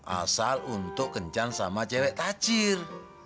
asal untuk kencan sama cewek tajir